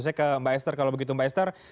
saya ke mbak esther kalau begitu mbak esther